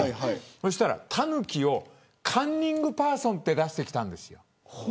そうしたら、タヌキをカンニングパーソンって出してきたんです。